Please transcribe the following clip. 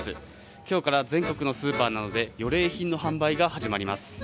今日からスーパーなどで予冷品の販売が始まります。